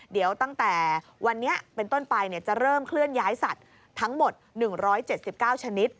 เดี๋ยวตั้งแต่วันนี้เป็นต้นไปจะเริ่มเคลื่อนย้ายสัตว์ทั้งหมด๑๗๙ชนิด